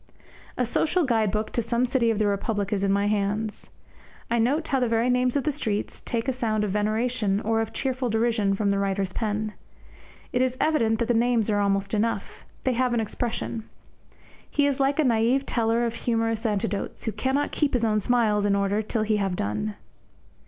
A social guide book to some city of the Republic is in my hands. I note how the very names of streets take a sound of veneration or of cheerful derision from the writer's pen. It is evident that the names are almost enough. They have an expression. He is like a naif teller of humorous anecdotes, who cannot keep his own smiles in order till he have done.